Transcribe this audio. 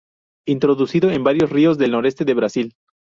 Introducido en varios ríos del noreste de Brasil.